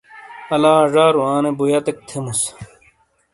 الا زارو آنے بُویَتیک تھیموس۔